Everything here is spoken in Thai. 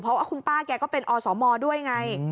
เพราะว่าคุณป้าแกก็เป็นอสมด้วยไง